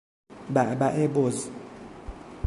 بعبع بز